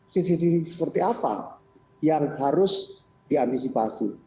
sisi sisi seperti apa yang harus diantisipasi